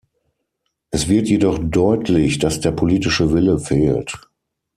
Es wird jedoch deutlich, dass der politische Wille fehlt.